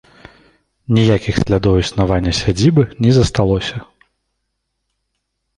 Ніякіх слядоў існавання сядзібы не засталося.